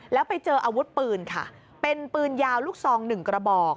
แล้วไปเจออาวุธปืนค่ะเป็นปืนยาวลูกซองหนึ่งกระบอก